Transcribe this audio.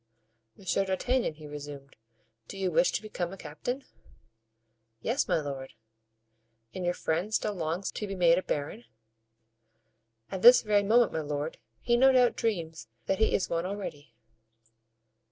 "Monsieur d'Artagnan," he resumed, "do you wish to become a captain?" "Yes, my lord." "And your friend still longs to be made a baron?" "At this very moment, my lord, he no doubt dreams that he is one already."